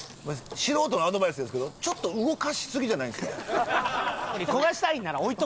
素人のアドバイスですけどちょっと動かしすぎじゃないですか？